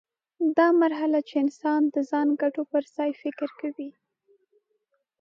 دا مرحله چې انسان د ځان ګټو پر ځای فکر کوي.